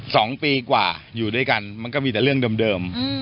สองปีกว่าอยู่ด้วยกันมันก็มีแต่เรื่องเดิมเดิม